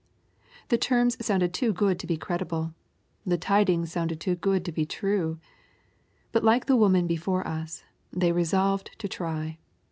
The terms sounded too good to be cred ible. The tidings sounded too good to be true. But, like the woman beforie us, they resolved to try.